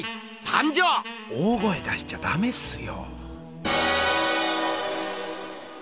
大声出しちゃダメっすよ！